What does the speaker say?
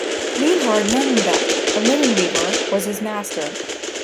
Lienhard Nunnenbeck, a linen weaver, was his master.